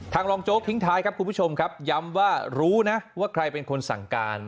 รองโจ๊กทิ้งท้ายครับคุณผู้ชมครับย้ำว่ารู้นะว่าใครเป็นคนสั่งการ